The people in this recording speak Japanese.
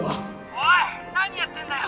おい何やってんだよ。